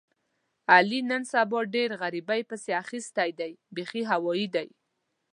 علي نن سبا ډېر غریبۍ پسې اخیستی دی بیخي هوایي دی.